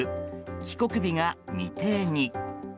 帰国日が未定に。